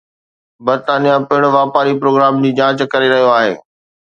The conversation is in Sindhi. برطانيه پڻ واپاري پروگرام جي جانچ ڪري رهيو آهي